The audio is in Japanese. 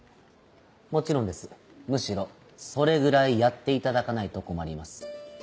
もちろんですむしろそれぐらいやっていただかないと困ります。